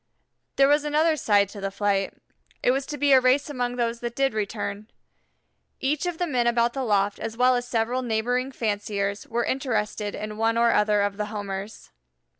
There was another side to the flight. It was to be a race among those that did return. Each of the men about the loft as well as several neighboring fanciers were interested in one or other of the Homers.